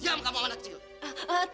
diam kamu anak cinta